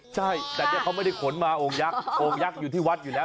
ใช่แต่เนี่ยเขาไม่ได้ขนมาโอ่งยักษ์โอ่งยักษ์อยู่ที่วัดอยู่แล้ว